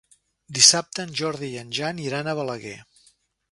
Dissabte en Jordi i en Jan iran a Balaguer.